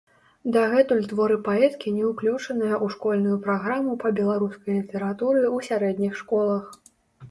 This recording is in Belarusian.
Дагэтуль творы паэткі не ўключаныя ў школьную праграму па беларускай літаратуры ў сярэдніх школах.